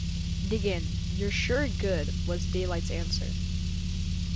Dig in; you're sure good, was Daylight's answer.